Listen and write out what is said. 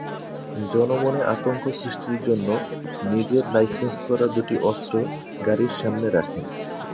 জনমনে আতঙ্ক সৃষ্টির জন্য নিজের লাইসেন্স করা দুটি অস্ত্র গাড়ির সামনে রাখেন।